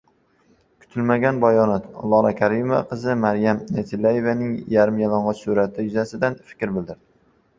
Kutilmagan bayonot: Lola Karimova qizi Maryam Tillayevaning yarimyalang‘och surati yuzasidan fikr bildirdi